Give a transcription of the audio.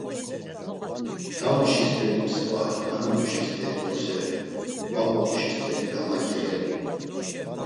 Damuşi steri mskva, nanamuşi steri noseri, babamuşi steri gamaǩireli. ..